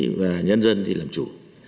quản lý và nhân dân thì làm chủ